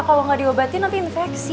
kalau gak diobatin nanti infeksi